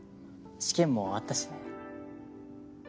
試験もあったしね。